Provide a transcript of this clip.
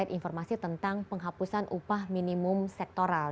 informasi tentang penghapusan upah minimum sektoral